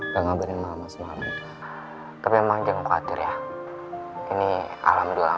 mengabarkan lama semalam ke memang jangan khawatir ya ini alhamdulillah